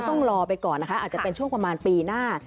ต้องรอไปก่อนนะคะอาจจะเป็นช่วงประมาณปีหน้า